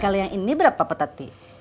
kalo yang ini berapa patati